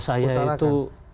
kalau saya itu